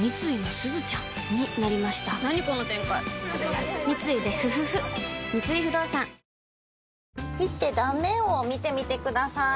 なにこの展開切って断面を見てみてください。